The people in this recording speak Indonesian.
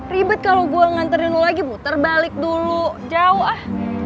ribet kalau gue nganterin lagi muter balik dulu jauh ah